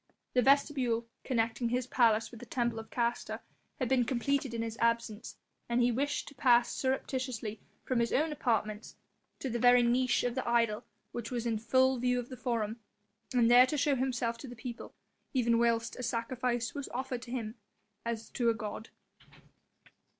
The vestibule connecting his palace with the temple of Castor had been completed in his absence, and he wished to pass surreptitiously from his own apartments to the very niche of the idol which was in full view of the Forum and there to show himself to the people, even whilst a sacrifice was offered to him as to a god.